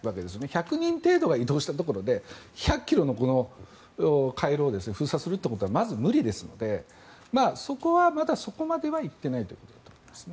１００人程度が移動したところで１００ｋｍの回廊を封鎖するということはまず無理ですのでそこはまだ、そこまではいっていないということだと思います。